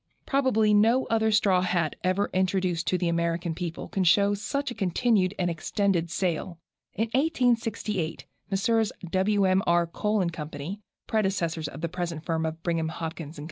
Probably no other straw hat ever introduced to the American public can show such a continued and extended sale. In 1868 Messrs. Wm. R. Cole & Co., predecessors of the present firm of Brigham, Hopkins & Co.